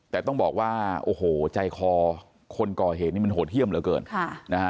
แต่ต้องบอกว่าโอ้โหใจคอคนก่อเหตุนี้มันโหดเยี่ยมเหลือเกิน